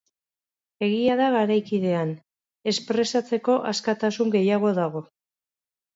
Egia da garaikidean, espresatzeko askatasun gehiago dago.